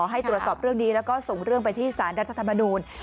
ให้ตรวจสอบเรื่องนี้แล้วก็ส่งเรื่องไปที่สารรัฐธรรมนูล